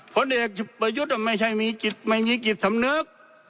ผลเด็กประโยชน์ไม่ใช่มีกิจไม่มีกิจสำนึก